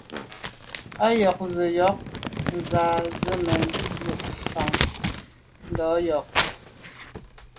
Á yɔ́k gə̀ sɔ̌k ŋká zə̄ mɛ́n lû fáŋ ndá ŋkɔ̀k.